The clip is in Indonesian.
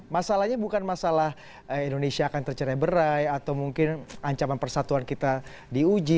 masalahnya bukan masalah indonesia akan tercerai berai atau mungkin ancaman persatuan kita diuji